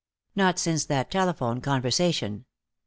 Not since that telephone conversation.